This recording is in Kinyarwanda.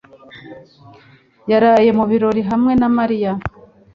yaraye mu birori hamwe na Mariya.